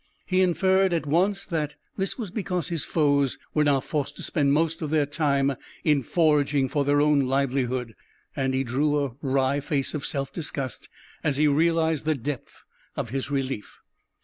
He inferred at once that this was because his foes were now forced to spend most of their time in foraging for their own livelihood, and he drew a wry face of self disgust as he realized the depth of his relief.